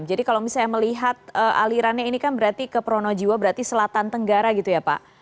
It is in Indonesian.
jadi kalau misalnya melihat alirannya ini kan berarti ke pronojiwa berarti selatan tenggara gitu ya pak